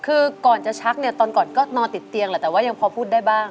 คือก่อนจะชักเนี่ยตอนก่อนก็นอนติดเตียงแหละแต่ว่ายังพอพูดได้บ้าง